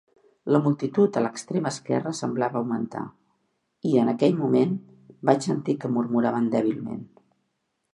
La multitud a l'extrem esquerre semblava augmentar i, en aquell moment, vaig sentir que murmuraven dèbilment.